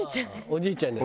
おじいちゃんに。